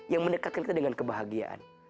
yang mendekatkan kita dengan kebahagiaan